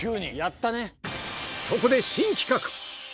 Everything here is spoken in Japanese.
そこで新企画！